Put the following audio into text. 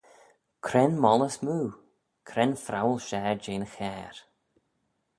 Cre'n moylley smoo? Cre'n phrowal share jeh'n chair?